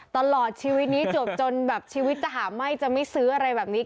ตลอดชีวิตนี้จบจนแบบชีวิตจะหาไหม้จะไม่ซื้ออะไรแบบนี้